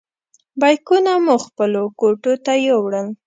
بیکونه مو خپلو کوټو ته یوړل.